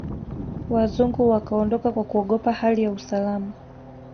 Wazungu wakaondoka kwa kuogopa hali ya usalama